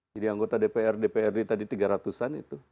jadi anggota dprd dprd tadi tiga ratus an itu